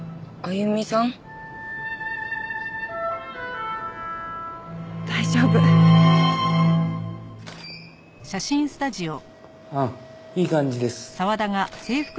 うんいい感じです。